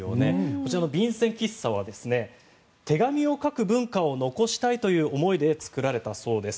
こちらの便箋喫茶は手紙を書く文化を残したいという思いで作られたそうです。